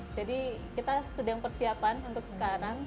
jadi kita sedang persiapan untuk sekarang